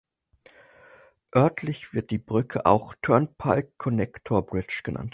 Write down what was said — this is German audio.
Örtlich wird die Brücke auch "Turnpike Connector Bridge" genannt.